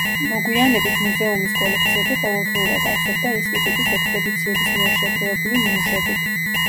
მოგვიანებით მუზეუმის კოლექციები ყოველდღიურად ავსებდა ინსტიტუტის ექსპედიციების მიერ შეგროვებული ნიმუშებით.